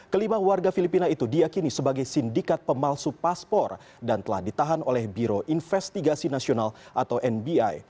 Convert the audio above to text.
kelima warga filipina itu diakini sebagai sindikat pemalsu paspor dan telah ditahan oleh biro investigasi nasional atau nbi